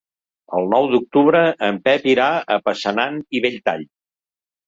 El nou d'octubre en Pep irà a Passanant i Belltall.